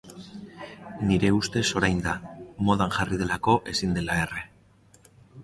Nire ustez orain da, modan jarri delako ezin dela erre.